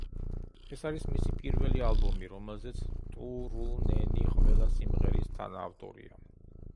ეს არის მისი პირველი ალბომი, რომელზეც ტურუნენი ყველა სიმღერის თანაავტორი.